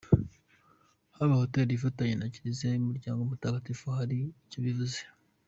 Kuba Hotel ifatanye na Kiliziya y’Umuryango Mutagatifu hari icyo bivuze”.